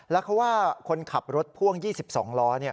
แล้วเขาว่าคนขับรถพ่วง๒๒ล้อ